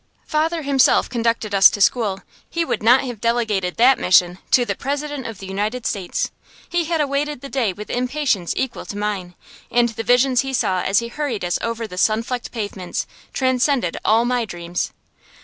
Father himself conducted us to school. He would not have delegated that mission to the President of the United States. He had awaited the day with impatience equal to mine, and the visions he saw as he hurried us over the sun flecked pavements transcended all my dreams.